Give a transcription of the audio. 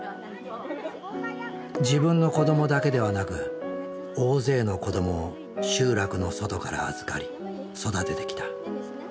自分の子どもだけではなく大勢の子どもを集落の外から預かり育ててきた。